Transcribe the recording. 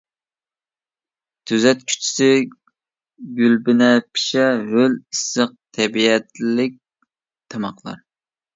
تۈزەتكۈچىسى گۈلبىنەپشە، ھۆل ئىسسىق تەبىئەتلىك تاماقلار.